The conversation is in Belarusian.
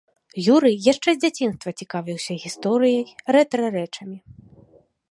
Юрый яшчэ з дзяцінства цікавіўся гісторыяй, рэтра-рэчамі.